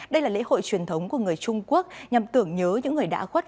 đây là lễ hội truyền thống của người trung quốc nhằm tưởng nhớ những người đã khuất